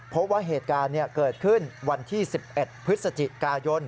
พบว่าเหตุการณ์เกิดขึ้นวันที่๑๑พฤศจิกายน